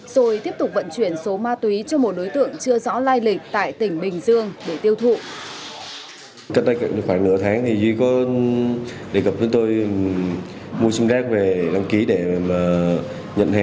rồi tiếp tục vận chuyển số ma túy cho một đối tượng chưa rõ lai lịch